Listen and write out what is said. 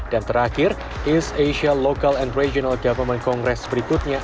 dan terakhir east asia local and regional government kongres berikutnya